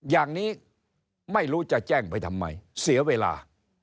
อย่างนี้ไม่รู้จะแจ้งไปทำไมเสียเวลา